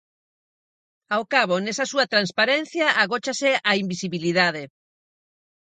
Ao cabo, nesa súa transparencia agóchase a invisibilidade.